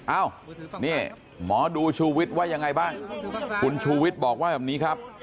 เอ้านี่หมอดูชูวิทย์ว่ายังไงบ้างคุณชูวิทย์บอกว่าแบบนี้ครับ